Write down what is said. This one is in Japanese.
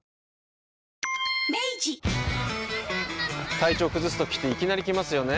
体調崩すときっていきなり来ますよね。